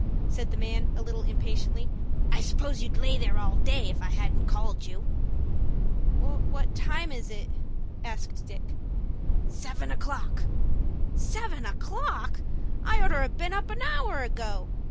said the man a little impatiently; "I suppose you'd lay there all day, if I hadn't called you." "What time is it?" asked Dick. "Seven o'clock." "Seven o'clock! I oughter've been up an hour ago.